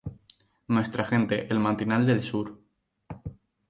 Nuestra Gente: "El Matinal del Sur"...